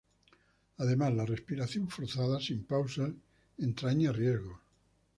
Además, la respiración forzada, sin pausas, entraña riesgos.